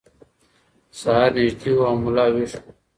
سهار نږدې و او ملا ویښ و.